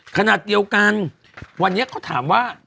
ขณะเดียวกันวันนี้เขาถามว่า